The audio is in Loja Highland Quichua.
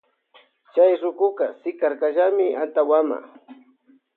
Chay rukuka sikarkallami antawama.